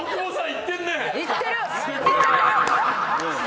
いってる！